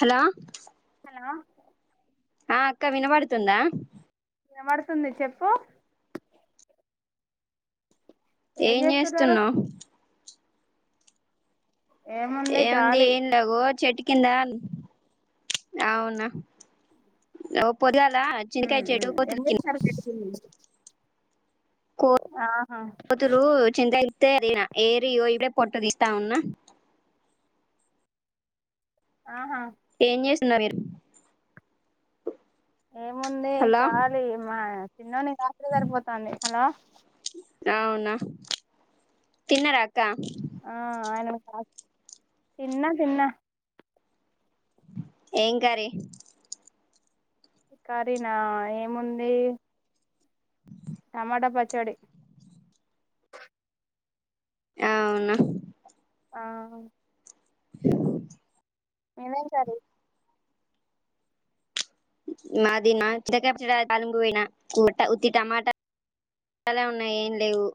Hello ఆ ఆ అక్క వినబడుతుందా వినపడుతుంది చెప్పు ఏం చేస్తున్నావ్ ఏముంది ఏన్లాగో చెట్కి కిందాన్ అవునా ఓ పోర్గాన్ కింద చింతకాయ్ చెట్టు కోతి [unintelligible] హ్మ్ కో కోతురు చింత ఇతే అడిగిన ఏరియో ఇప్పుడ పొట్ట దీస్తా ఉన్నా ఆహా ఏం చేసినారు మీరు హలో హలో అవునా తిన్నరా అక్క ఆ అవునక్క తిన్న తిన్న ఏం కర్రీ కర్రీ నా ఏముంది టమాటా పచ్చోడి అవున ఆ మీదేం కర్రీ మాది చికా కాలపుు [unintelligible] తాలింపు పెట్టిన ఉత్తి టమాటా చాలా ఉన్నాయి ఏం లేవు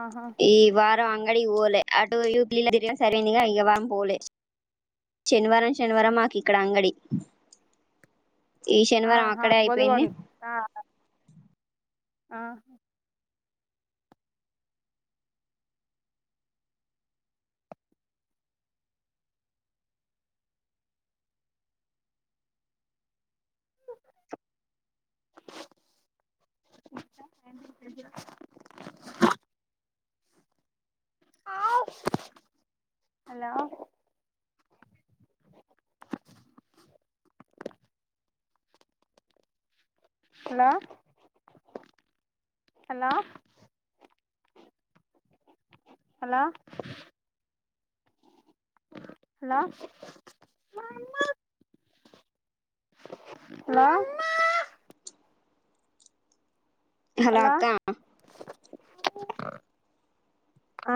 ఆహా ఈ వారం అంగడికి పోలే అటు యూప్ల [unintelligible] సరింగా ఇక వారం పోలే శనివారం శనివారం మాకి ఇక్కడ అంగడి ఈ శనివారం ఆహా అక్కడే అయిపోయింది బొదుగోండి ఆ ఆ అ [inaudible] అ హలో అంది hello hello hello hello hello hello అక్క ఆ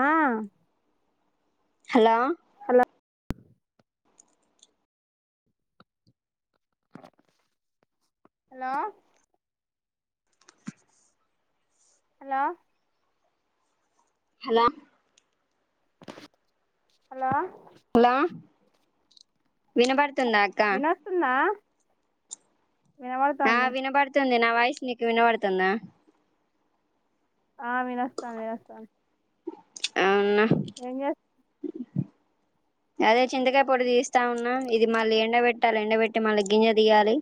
hello hello hello hello hello hello hello వినబడు వినోస్తుందా ఆ వినబడుతుంది నా వాయిస్ నీకు వినబడుతుందా ఆ ‌వినొస్తాంది వినొస్తాంది అవునా ఏం చేస్తు అదే చింతగాయ పొట్టు తీస్తా ఉన్నా ఇది మళ్ళీ ఎండ పెట్టి పెట్టాలి ఎండబట్టి మళ్ళీ గింజ తీయాలి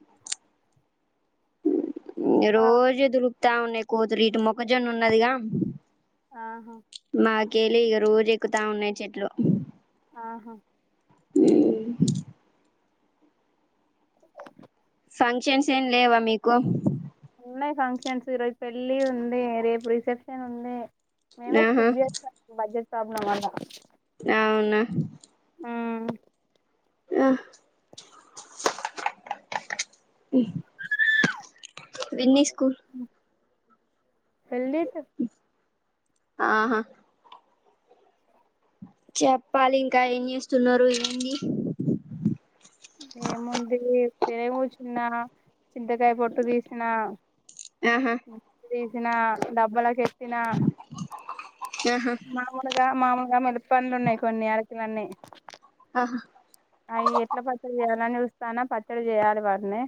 రోజు వత్తా ఉన్నాయి కోతులు ఇటు మొక్కజొన్న ఉన్నదిగా ఆహా కేలి ఇక రోజు ఎక్కుతా ఉన్నాయి చెట్లు ఆహా మ్మ్ ఫంక్షన్స్ ఏమి లేవా మీకు అన్నాయి ఫంక్షన్స్ ఈరోజు పెళ్ళి ఉండే రేపు రిసెప్షన్ ఉండే నినే ఆహా స్కిప్ చేసాం ఈ మధ్య [unintelligible] అవున ఆ ఆ మ్ విన్ని స్కూ వెల్లిత ఆహా చెప్పాలి ఇంకా ఏం చేస్తున్నారు ఏంది? ఏముంది తరేముచున్న చింతకాయ పొట్టు తీసిన ఆహా సిన డబ్బాళకి ఎత్తిన ఆహా మామలుగా మామలుగా మిరపందు ఉన్నాయి కొన్ని అరిచినవన్నీ ఆహా అవి ఎట్లా పచ్చడి చేయాలని చూస్తానా పచ్చడి చేయాలి వాట్ని